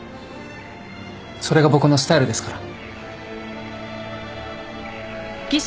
それが僕のスタイルですから。